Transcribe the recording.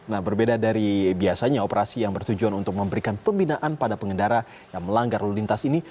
nah berbeda dari biasanya operasi yang bertujuan untuk memberikan pembinaan pada pengendara yang melanggar lalu lintas ini